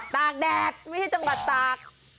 ตากแดดไม่ใช่จังหวัดตาก